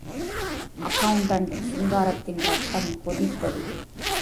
Accountant சிங்காரத்தின், ரத்தம் கொதித்தது.